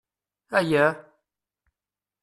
Ayya!